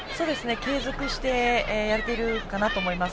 継続してやれているかなと思います。